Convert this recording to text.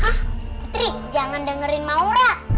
hah putri jangan dengerin maura